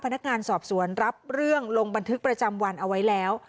พนักงานสอบสวนรับเรื่องลงบันทึกประจำวันเอาไว้แล้ว